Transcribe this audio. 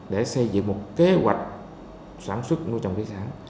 để xây dựng một kế hoạch sản xuất nuôi trồng thủy sản